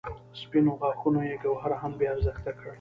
سپینو غاښونو یې ګوهر هم بې ارزښته کړ.